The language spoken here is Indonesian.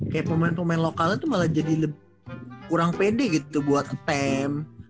kayak pemain pemain lokalnya tuh malah jadi lebih kurang pede gitu buat apem